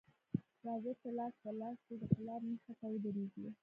راځه چې لاس په لاس دې د پلار مخې ته ودرېږو